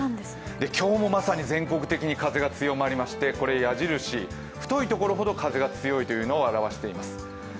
今日もまさに全国的に風が強まりましてこれ矢印、太いところほど風が強いというのを表しています。